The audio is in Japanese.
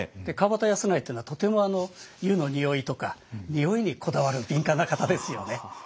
川端康成っていうのはとても湯のにおいとかにおいにこだわる敏感な方ですよね。